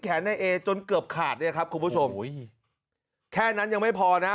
ในเอจนเกือบขาดเนี่ยครับคุณผู้ชมแค่นั้นยังไม่พอนะ